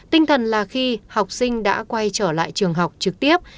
tinh thần là khi học sinh đã quay trở lại trường học trực tiếp